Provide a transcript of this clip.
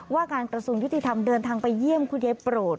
ว่าการกระทรวงยุติธรรมเดินทางไปเยี่ยมคุณยายโปรด